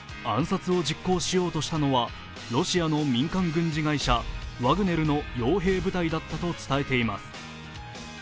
暗殺を実行しようとしたのはロシアの民間軍事会社ワグネルのよう兵部隊だったと伝えています。